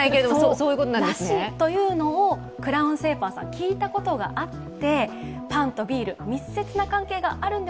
そうらしいというのをクラウン製パンさんが聞いたことがあって。